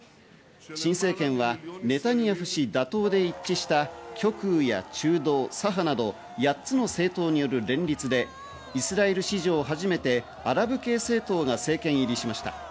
新政権はネタニヤフ氏打倒で一致した極右や中道、左派など８つの政党による連立でイスラエル史上初めてアラブ系政党が政権入りしました。